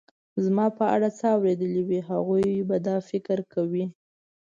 زما په اړه څه اورېدلي وي، هغوی به دا فکر کاوه.